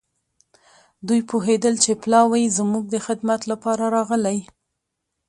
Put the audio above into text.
دوی پوهېدل چې پلاوی زموږ د خدمت لپاره راغلی.